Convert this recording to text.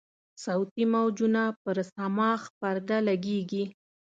صوتي موجونه پر صماخ پرده لګیږي.